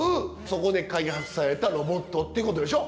そこで開発されたロボットってことでしょ。